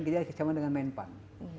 kita kaitan sama dengan menpan